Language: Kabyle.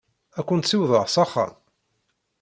Ad kent-ssiwḍeɣ s axxam?